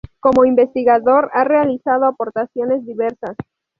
Como investigador ha realizado aportaciones diversas.